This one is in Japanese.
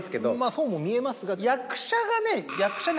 そうも見えますが。